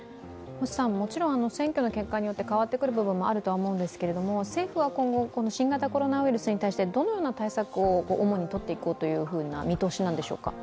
選挙の結果によって変わってくる部分もあると思うんですけど政府は今後、新型コロナウイルスに対してどのような対策を主にとっていこうというふうな見通しなんでしょうか？